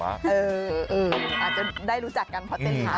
อาจจะได้รู้จักกันพอเต้นทาง